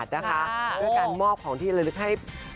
ด้วยการมอบของที่ละลึกให้